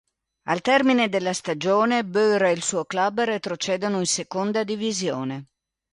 Al termine della stagione Boer ed il suo club retrocedono in Seconda Divisione.